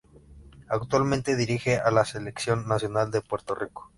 Actualmente dirige a la Selección Nacional de Puerto Rico.